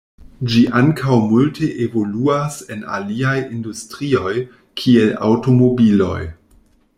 Ĝi ankaŭ multe evoluas en aliaj industrioj kiel aŭtomobiloj.